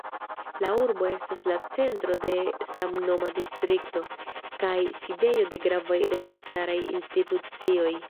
La urbo estas la centro de samnoma distrikto, kaj sidejo de gravaj registaraj institucioj.